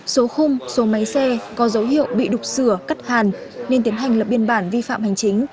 số khung số máy xe có dấu hiệu bị đục sửa cắt hàn nên tiến hành lập biên bản vi phạm hành chính